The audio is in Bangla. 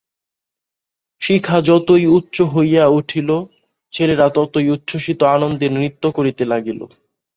শিখা যতই উচ্চ হইয়া উঠিল ছেলেরা ততই উচ্ছ্বসিত আনন্দে নৃত্য করিতে লাগিল।